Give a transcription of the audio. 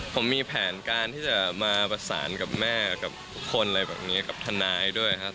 ผมมีแผนการที่จะมาประสานกับแม่กับคนอะไรแบบนี้กับทนายด้วยครับ